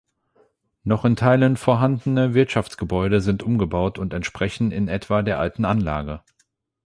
Noch in Teilen vorhandene Wirtschaftsgebäude sind umgebaut und entsprechen in etwa der alten Anlage.